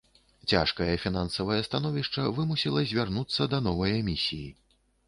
Цяжкае фінансавае становішча вымусіла звярнуцца да новай эмісіі.